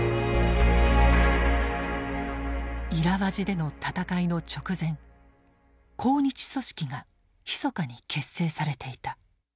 イラワジでの戦いの直前抗日組織がひそかに結成されていた。